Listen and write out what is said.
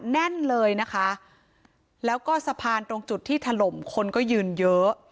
แน่นเลยนะคะแล้วก็สะพานตรงจุดที่ถล่มคนก็ยืนเยอะ